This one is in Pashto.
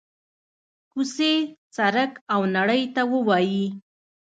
کوڅې، سړک او نړۍ ته ووايي: